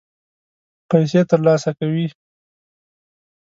پیسې ترلاسه کوي.